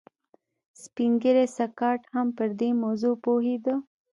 سپین ږیری سکاټ هم پر دې موضوع پوهېده